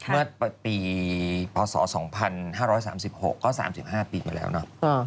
เมื่อปีพศ๒๕๓๖ก็๓๕ปีมาแล้วเนอะ